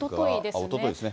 おとといですね。